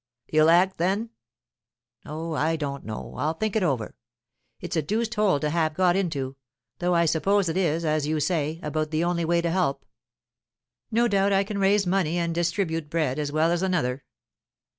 'You'll act then?' 'Oh, I don't know—I'll think it over. It's a deuced hole to have got into; though I suppose it is, as you say, about the only way to help. No doubt I can raise money and distribute bread as well as another.